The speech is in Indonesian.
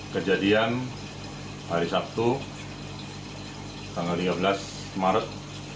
kejadian hari sabtu tanggal tiga belas maret